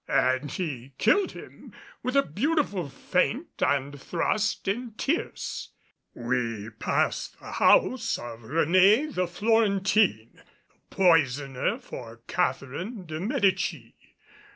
And he killed him with a beautiful feint and thrust in tierce. We passed the house of Réné the Florentine, the poisoner for Catherine de Medicis.